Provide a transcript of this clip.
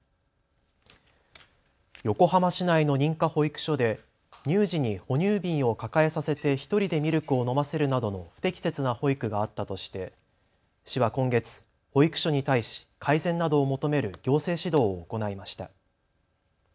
横浜市内の認可保育所で乳児に哺乳瓶を抱えさせて１人でミルクを飲ませるなどの不適切な保育があったとして市は今月、保育所に対し改善などを求める行政指導を行いました。